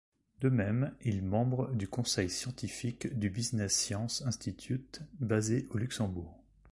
De même, il membre du Conseil Scientifique du Business Science Institute basé au Luxembourg.